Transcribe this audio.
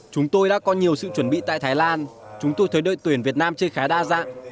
chúng tôi đã có nhiều sự chuẩn bị tại thái lan chúng tôi thấy đội tuyển việt nam chơi khá đa dạng